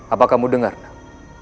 apa kamu dengar nam